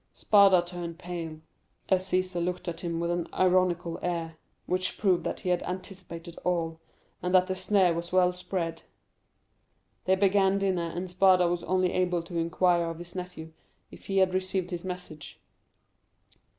Spada turned pale, as Cæsar looked at him with an ironical air, which proved that he had anticipated all, and that the snare was well spread. "They began dinner and Spada was only able to inquire of his nephew if he had received his message.